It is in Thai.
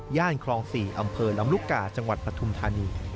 คลอง๔อำเภอลำลูกกาจังหวัดปฐุมธานี